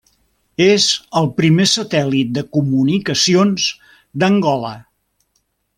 És el primer satèl·lit de comunicacions d'Angola.